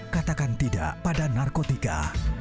katakan tidak pada narkotika